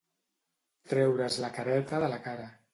Treure's la careta de la cara.